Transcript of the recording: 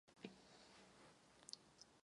Tato zpráva znovu nastoluje téma sportu ve škole.